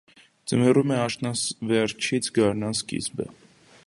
Ձմեռում է աշնան վերջից գարնան սկիզբը։